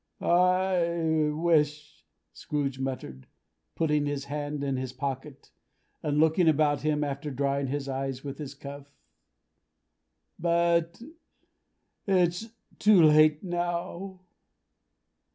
"I wish," Scrooge muttered, putting his hand in his pocket, and looking about him, after drying his eyes with his cuff: "but it's too late now."